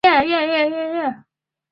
现为爆炸戏棚创办人及艺术总监。